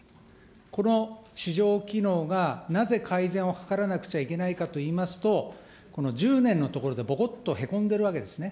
この市場機能がなぜ改善を図らなくちゃいけないかといいますと、この１０年のところでぼこっとへこんでるわけですね。